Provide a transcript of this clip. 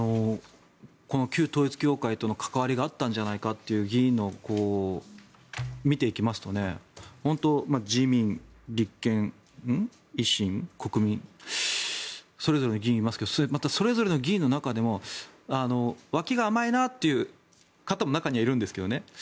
旧統一教会との関わりがあったんじゃないかという議員を見ていきますと自民、立憲、維新、国民それぞれの議員がいますがそれぞれの議員の中でも脇が甘いなっていう方も中に入るんですけどね。